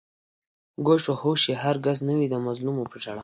گوش و هوش يې هر گِز نه وي د مظلومو په ژړا